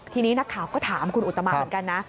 ทีนี้นักข่าวก็ถามคุณอุตมาเหมือนกันนะ